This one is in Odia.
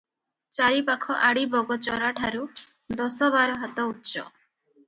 ଚାରିପାଖ ଆଡ଼ି ବଗଚରା-ଠାରୁ ଦଶବାରହାତ ଉଚ୍ଚ ।